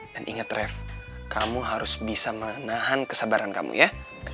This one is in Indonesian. dan inget rev kamu harus bisa menahan kesabaran kamu ya